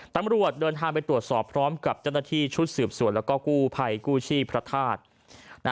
ตำรวจเดินทางไปตรวจสอบพร้อมกับเจ้าหน้าที่ชุดสืบสวนแล้วก็กู้ภัยกู้ชีพพระธาตุ